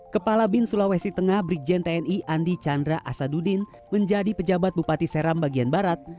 kepala bin sulawesi tengah brigjen tni andi chandra asadudin menjadi pejabat bupati seram bagian barat